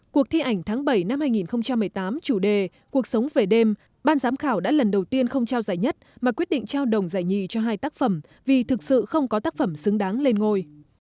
cuộc thi ảnh tháng bảy năm hai nghìn một mươi tám chủ đề cuộc sống về đêm ban giám khảo đã lần đầu tiên không trao giải nhất mà quyết định trao đồng giải nhì cho hai tác phẩm vì thực sự không có tác phẩm xứng đáng lên ngôi